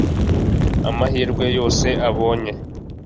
amahirwe yose ubonye